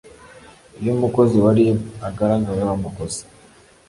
iyo umukozi wa rib agaragaweho amakosa